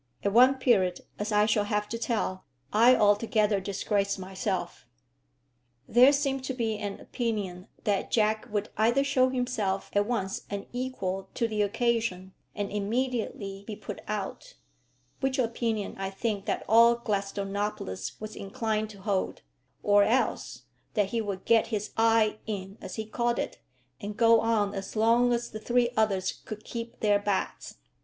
At one period, as I shall have to tell, I altogether disgraced myself. There seemed to be an opinion that Jack would either show himself at once unequal to the occasion, and immediately be put out, which opinion I think that all Gladstonopolis was inclined to hold, or else that he would get his "eye in" as he called it, and go on as long as the three others could keep their bats.